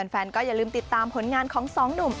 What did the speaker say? แฟนก็อย่าลืมติดตามผลงานของสองหนุ่ม